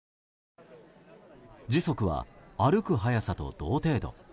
時速は、歩く速さと同程度。